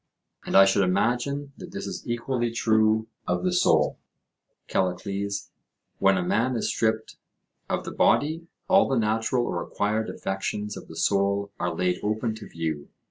And I should imagine that this is equally true of the soul, Callicles; when a man is stripped of the body, all the natural or acquired affections of the soul are laid open to view.